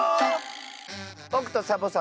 ぼくとサボさん